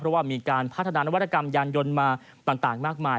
เพราะว่ามีการพัฒนานวัตกรรมยานยนต์มาต่างมากมาย